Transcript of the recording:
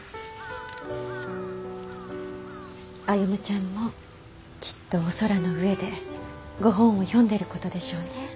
歩ちゃんもきっとお空の上でご本を読んでる事でしょうね。